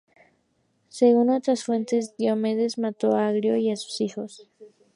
Según otras fuentes, Diomedes mató a Agrio y sus hijos.